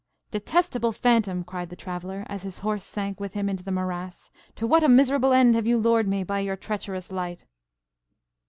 "DETESTABLE phantom!" cried the traveller, as his horse sank with him into the morass; "to what a miserable end have you lured me by your treacherous light!"